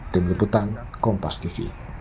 tim liputan kompas tv